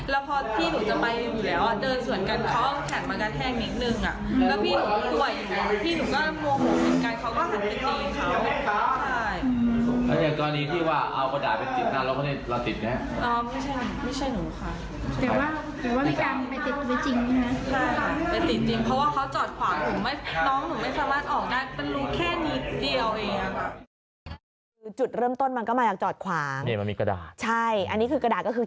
แล้วพอพี่หนูจะไปอยู่แล้วเดินส่วนกันเขาก็กระแทงหนิ๊ดนึง